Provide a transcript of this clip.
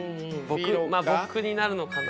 僕になるのかな。